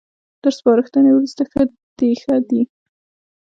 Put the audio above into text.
تر سپارښتنې وروسته ښه ديښه دي